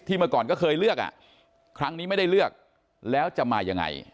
เมื่อก่อนก็เคยเลือกอ่ะครั้งนี้ไม่ได้เลือกแล้วจะมายังไง